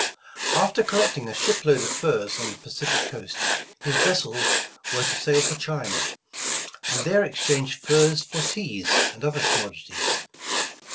After collecting a ship load of furs on the Pacific coast, his vessels were to sail for China, and there ex change furs for teas and other commodities.